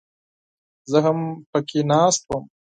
زه هم پکښې ناست وم.